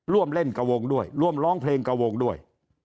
ร่วมเล่นกระวงด้วยร่วมร้องเพลงกระวงด้วย